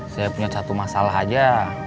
saya punya satu masalah aja